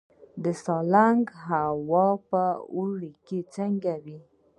د سالنګ هوا په اوړي کې څنګه وي؟